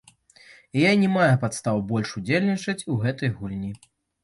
І я не маю падстаў больш удзельнічаць у гэтай гульні.